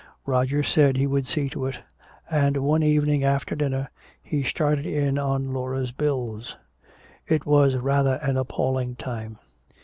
Roger said he would see to it, and one evening after dinner he started in on Laura's bills. It was rather an appalling time.